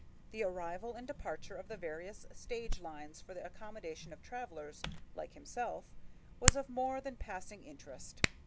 The arrival and departure of the various stage lines for the accommodation of travelers like himself was of more than passing interest.